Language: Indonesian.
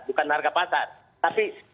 bukan harga pasar tapi